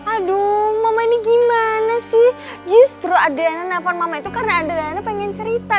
aduh mama ini gimana sih justru adriana nelfon mama itu karena adrena pengen cerita